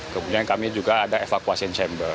kemudian kami juga ada evacuation chamber